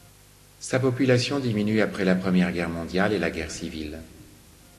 Sa population diminue après la Première Guerre mondiale et la guerre civile.